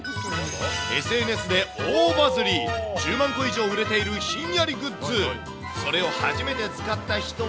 ＳＮＳで大バズり、１０万個以上売れているひんやりグッズ。